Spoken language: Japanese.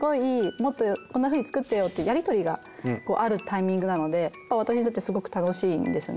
もっとこんなふうに作ってよ」ってやりとりがあるタイミングなので私にとってすごく楽しいんですね。